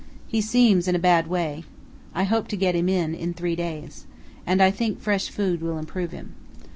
He seems in a bad way. I hope to get him in in three days, and I think fresh food will improve him.